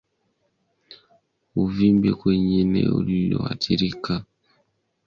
Uvimbe kwenye eneo lililoathirika wenye joto na unaouma ni dalili ya ugonjwa wa chambavu